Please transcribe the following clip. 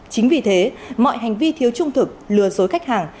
chính vì thế mọi hành vi thiếu trung thực lừa dối khách hàng